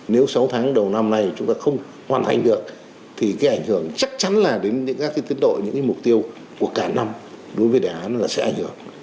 nếu sáu tháng đầu năm nay chúng ta không hoàn thành được thì cái ảnh hưởng chắc chắn là đến các tiến đội những cái mục tiêu của cả năm đối với đề án là sẽ ảnh hưởng